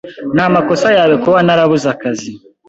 Ni amakosa yawe kuba narabuze akazi.